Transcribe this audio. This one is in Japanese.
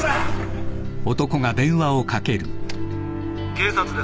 ☎警察です。